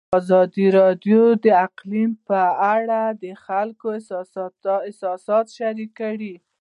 ازادي راډیو د اقلیم په اړه د خلکو احساسات شریک کړي.